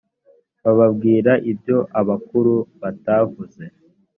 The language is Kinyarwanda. bababwira ibyo abakuru batavuze.